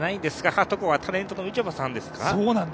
はとこがタレントのみちょぱさんですから。